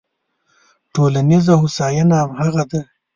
ټولنیزه هوساینه همغه ده.